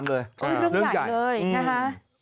นี่เรื่องใหญ่เลยนะคะ